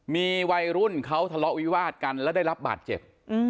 มีวัยรุ่นเขาทะเลาะวิวาดกันแล้วได้รับบาดเจ็บ